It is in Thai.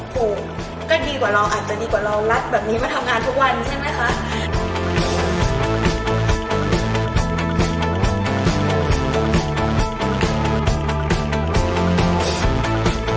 ถูกก็ดีกว่าเราอาจจะดีกว่าเรารักแบบนี้มาทำงานทุกวันใช่ไหมคะ